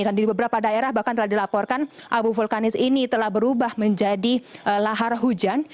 karena di beberapa daerah bahkan telah dilaporkan abu vulkanis ini telah berubah menjadi lahar hujan